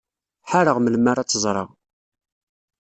Ḥareɣ melmi ara tt-ẓreɣ.